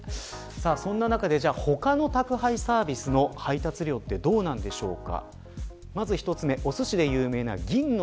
そんな中で、他の宅配サービスの配達料ってどうなんでしょうか。